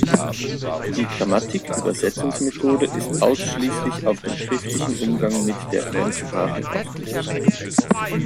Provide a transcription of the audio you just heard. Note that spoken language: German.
Die Grammatik-Übersetzungsmethode ist ausschließlich auf den schriftlichen Umgang mit der Fremdsprache ausgerichtet.